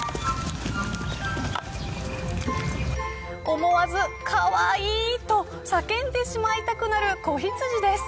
思わず、かわいいと叫んでしまいたくなる子羊です。